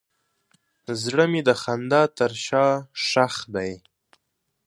زړه مې د خندا تر شا ښخ دی.